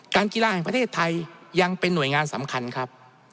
กีฬาแห่งประเทศไทยยังเป็นหน่วยงานสำคัญครับ